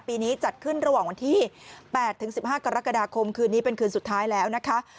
ปีนี้จัดขึ้นระหว่างวันที่๘ถึง๑๕กรกฎาคมคืนนี้เป็นคืนสุดท้ายแล้วนะคะ